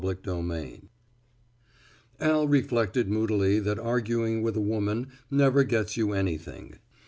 XIII REËNTER JIM Al reflected moodily that arguing with a woman never gets you anything.